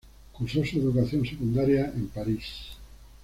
Cursó su educación secundaria en París.